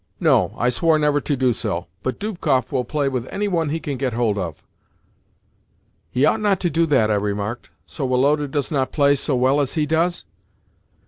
"No; I swore never to do so; but Dubkoff will play with any one he can get hold of." "He ought not to do that," I remarked. "So Woloda does not play so well as he does?"